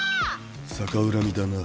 逆恨みだな。